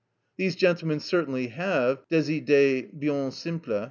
These gentlemen certainly have des idées bien simples.